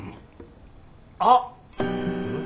あっ。